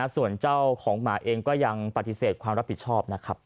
ส่วนเจ้าของหมาเองก็ยังปฏิเสธความรับผิดชอบนะครับ